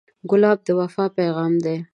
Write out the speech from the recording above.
ګلاب د وفا پیغام دی.